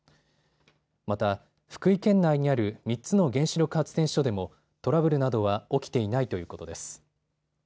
また福井県内にある３つの原子力発電所でもトラブルなどは起きていないということです。